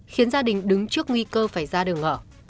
khiến gia đình đứng trước nguy cơ phải ra đường ngỏ